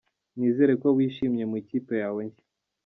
Nizere ko wishimye mu ikipe yawe nshya.